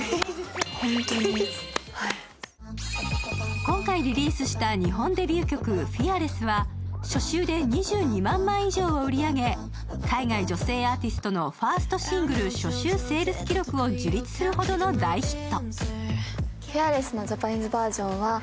今回リリースした日本デビュー曲「ＦＥＡＲＬＥＳＳ」は初週で２２万枚以上を売り上げ海外女性アーティストのファーストシングル初週セールス記録を樹立するほどの大ヒット。